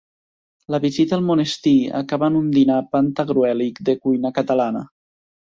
La visita al monestir acaba en un dinar pantagruèlic de cuina catalana.